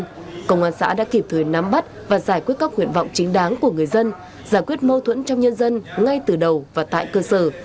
tuy nhiên công an xã đã kịp thời nắm bắt và giải quyết các nguyện vọng chính đáng của người dân giải quyết mâu thuẫn trong nhân dân ngay từ đầu và tại cơ sở